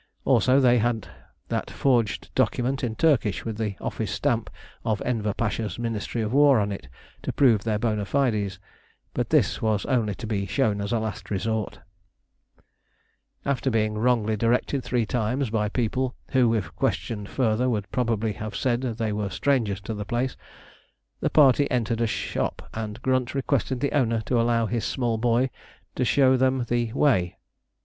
Also, they had that forged document in Turkish, with the office stamp of Enver Pasha's Ministry of War on it to prove their bona fides; but this was only to be shown as a last resource. After being wrongly directed three times by people who, if questioned further, would probably have said they were strangers to the place, the party entered a shop, and Grunt requested the owner to allow his small boy to show them the way.